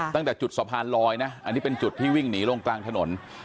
ตั้งแต่จุดสะพานลอยนะอันนี้เป็นจุดที่วิ่งหนีลงกลางถนน